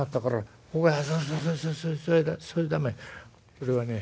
それはね